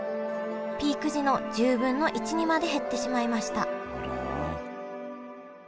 ピーク時の１０分の１にまで減ってしまいましたあら。